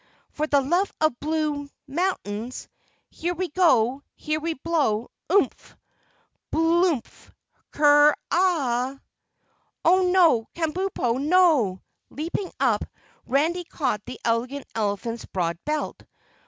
For the love of blue mountains! Here we GO! Here we blow! Oooomph! Bloomph! Ker AHHHHH!" "Oh, no, Kabumpo! NO!" Leaping up, Randy caught the Elegant Elephant's broad belt.